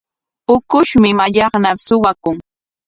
Ukushmi mallaqnar suwakun.